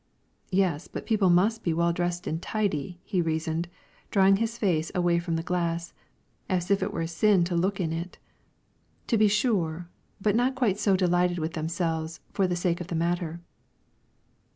"Yes, but people must be well dressed and tidy," he reasoned, drawing his face away from the glass, as if it were a sin to look in it. "To be sure, but not quite so delighted with themselves, for the sake of the matter."